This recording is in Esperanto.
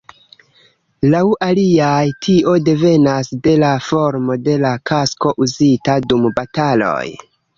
Laŭ aliaj, tio devenas de la formo de la kasko uzita dum bataloj.